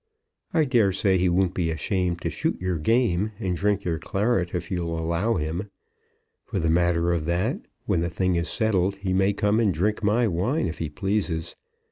I dare say he won't be ashamed to shoot your game and drink your claret, if you'll allow him. For the matter of that, when the thing is settled he may come and drink my wine if he pleases.